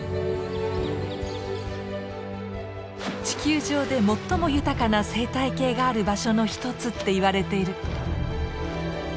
地球上で最も豊かな生態系がある場所の一つっていわれている。